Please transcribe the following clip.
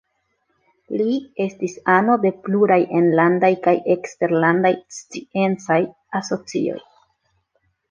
Li estis ano de pluraj enlandaj kaj eksterlandaj sciencaj asocioj.